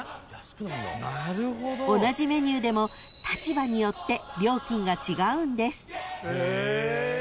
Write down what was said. ［同じメニューでも立場によって料金が違うんです］